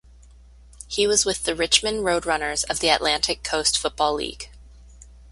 He was with the Richmond Roadrunners of the Atlantic Coast Football League.